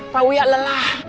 tau ya lelah